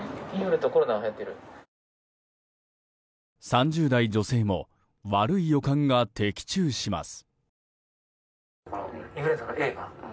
３０代女性も悪い予感が的中します。